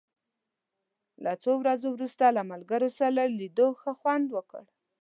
له څو ورځو وروسته له ملګرو سره لیدو ښه خوند وکړ.